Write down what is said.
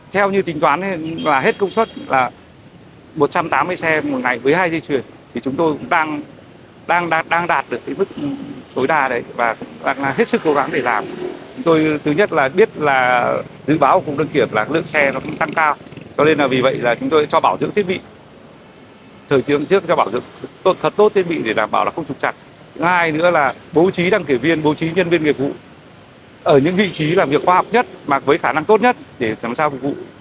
thứ hai nữa là bố trí đăng kiểm viên bố trí nhân viên nghiệp vụ ở những vị trí làm việc khoa học nhất mà với khả năng tốt nhất để làm sao phục vụ được nhiều xe nhất và làm nhanh nhất cho người dân